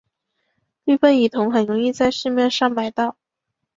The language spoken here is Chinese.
氯苯乙酮很容易在市面上买到。